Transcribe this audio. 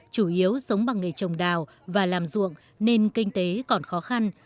chủ yếu sống bằng nghề trồng đào và làm ruộng nên kinh tế còn khó khăn